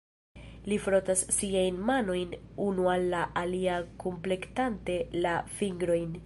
Li frotas siajn manojn unu al la alia kunplektante la fingrojn.